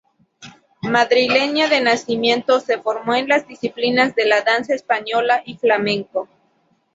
Madrileña de nacimiento, se formó en las disciplinas de danza española y flamenco.